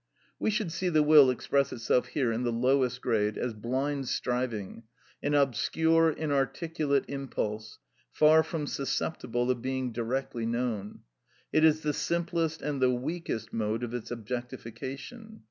We should see the will express itself here in the lowest grade as blind striving, an obscure, inarticulate impulse, far from susceptible of being directly known. It is the simplest and the weakest mode of its objectification.